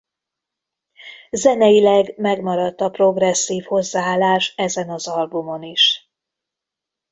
Zeneileg megmaradt a progresszív hozzáállás ezen az albumon is.